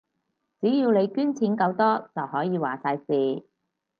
只要你捐錢夠多，就可以話晒事